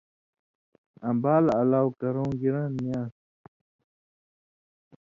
آں بال الاؤ کرؤں گِران نی آن٘س۔